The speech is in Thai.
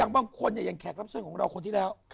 วันนี้ยังแขกรับเส้นของเราคนที่แล้ว